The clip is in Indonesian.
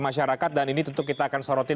masyarakat dan ini tentu kita akan sorotin